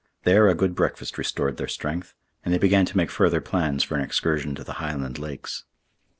There a good breakfast restored their strength, and they began to make further plans for an excursion to the Highland lakes.